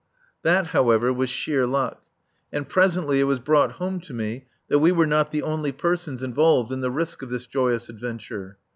That, however, was sheer luck. And presently it was brought home to me that we were not the only persons involved in the risk of this joyous adventure.